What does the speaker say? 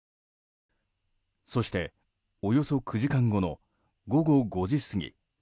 そして、およそ９時間後の午後５時過ぎ。